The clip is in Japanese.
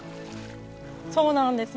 そうなんです。